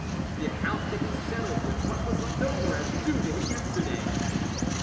The account can be settled with what was left over as due to him yesterday."